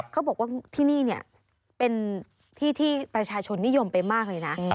เขาบอกว่าที่นี่เป็นที่ที่ประชาชนนิยมไปมากเลยนะ